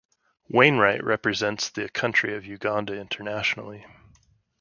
Wainright represents the country of Uganda internationally.